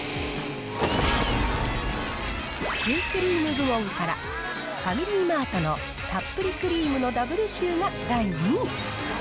シュークリーム部門から、ファミリーマートのたっぷりクリームのダブルシューが第２位。